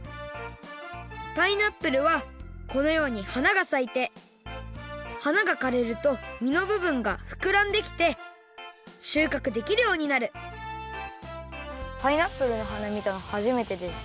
パイナップルはこのようにはながさいてはながかれるとみのぶぶんがふくらんできてしゅうかくできるようになるパイナップルのはなみたのはじめてです。